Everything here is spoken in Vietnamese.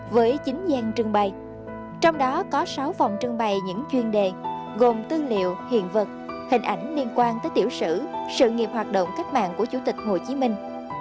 với chín gian trưng bày trong đó có sáu phòng trưng bày những chuyên đề gồm tư liệu hiện vật hình ảnh liên quan tới tiểu sử sự nghiệp hoạt động cách mạng của chủ tịch hồ chí minh